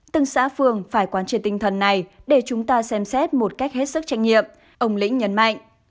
từng xã phường phải quán triệt tinh thần này để chúng ta xem xét một cách hết sức trách nhiệm ông lĩnh nhấn mạnh